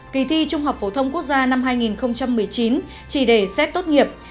kỳ thi trung học phổ thông quốc gia năm hai nghìn một mươi chín chỉ để xét tốt nghiệp